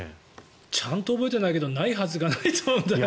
ちゃんと覚えてないけどないはずがないと思うんだよね。